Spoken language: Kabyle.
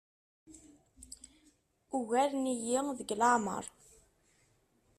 Ugaren-iyi deg leɛmeṛ.